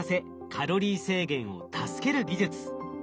カロリー制限を助ける技術。